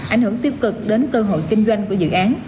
ảnh hưởng tiêu cực đến cơ hội kinh doanh của dự án